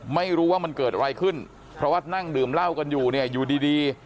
ไม่รู้ว่ามันเกิดอะไรขึ้นเพราะว่านั่งดื่มเหล้ากันอยู่เนี่ยอยู่ดีดี